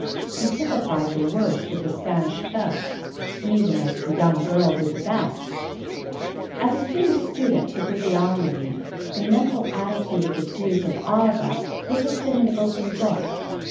He typified the worst of the Spanish folk, even as the young girl did the best. To a keen student of physiognomy the mental attitude of the Duke of Alva would have been an open book.